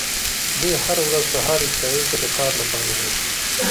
دوی هره ورځ سهار اسرائیلو ته د کار لپاره راځي.